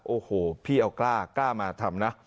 โอ้โหพี่เอากล้ากล้ามาทำนะ